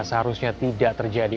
seharusnya tidak terjadi